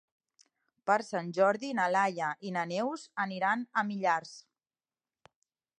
Per Sant Jordi na Laia i na Neus aniran a Millars.